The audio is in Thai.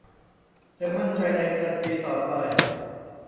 เธอมั่นใจในทันทีต่อไป